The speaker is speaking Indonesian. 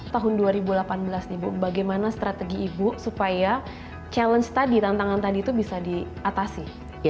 tahun dua ribu delapan belas nih bu bagaimana strategi ibu supaya challenge tadi tantangan tadi itu bisa diatasi